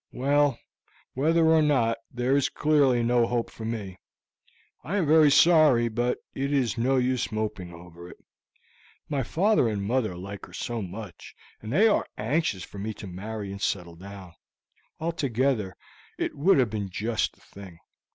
"Well, whether or not, there is clearly no hope for me. I am very sorry, but it is no use moping over it. My father and mother like her so much, and they are anxious for me to marry and settle down; altogether, it would have been just the thing.